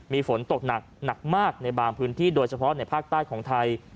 มีฝนตกหนักมากในบางพื้นที่โดยเฉพาะในภาคใต้ของไทย